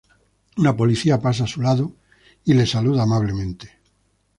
Una policía pasa a su lado y la saluda amablemente.